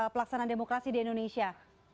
pelaksanaan demokrasi di indonesia